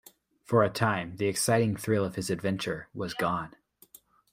For a time the exciting thrill of his adventure was gone.